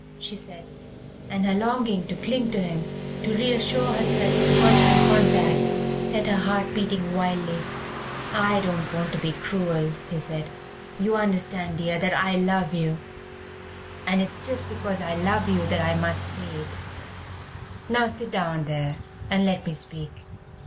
she said, and her longing to cling to him, to reassure herself by personal contact, set her heart beating wildly. "I don't want to be cruel," he said; "you understand, dear, that I love you, and it's just because I love you that I must say it. Now sit down there and let me speak.